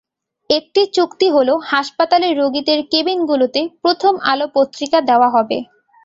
একটি চুক্তি হলো হাসপাতালে রোগীদের কেবিনগুলোতে প্রথম আলো পত্রিকা দেওয়া হবে।